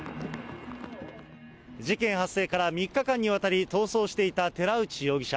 事件発生から３日間にわたり逃走していた寺内容疑者。